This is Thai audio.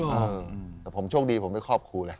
เออแต่ผมโชคดีผมไม่ครอบครูเลย